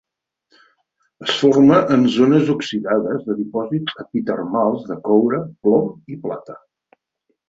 Es forma en zones oxidades de dipòsits epitermals de coure, plom i plata.